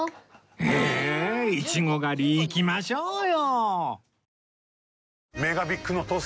えっイチゴ狩り行きましょうよ！